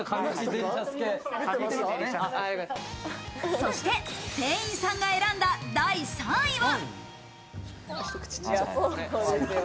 そして店員さんが選んだ第３位は。